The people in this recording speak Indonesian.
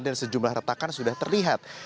dan sejumlah retakan sudah terlihat